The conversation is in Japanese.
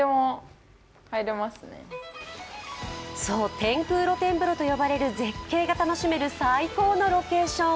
天空露天風呂と呼ばれる絶景が楽しめる最高のロケーション。